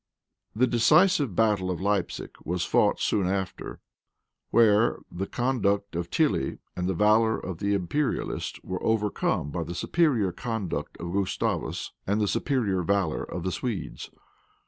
The decisive battle of Leipsic was fought soon after, where the conduct of Tilly and the valor of the imperialists were overcome by the superior conduct of Gustavus and the superior valor of the Swedes.